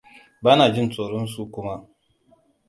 Bana jin tsoron su kuma.